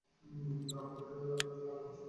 ভিতরে আপনাদের জন্য দারুণ কিছু রান্না হয়েছে।